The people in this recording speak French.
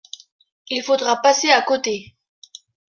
Il faudra passer à côté.